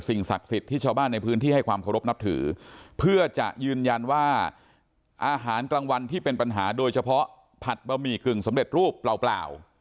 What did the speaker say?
ศักดิ์สิทธิ์ที่ชาวบ้านในพื้นที่ให้ความเคารพนับถือเพื่อจะยืนยันว่าอาหารกลางวันที่เป็นปัญหาโดยเฉพาะผัดบะหมี่กึ่งสำเร็จรูปเปล่า